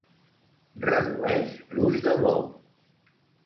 Redueix l'ull de bou.